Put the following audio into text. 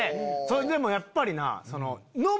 それでもやっぱりな。